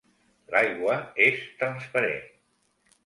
L'aigua és transparent.